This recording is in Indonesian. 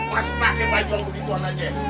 masih pake pake gitu gituan lagi